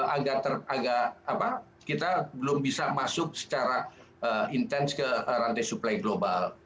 agak agak kita belum bisa masuk secara intens ke rantai suplai global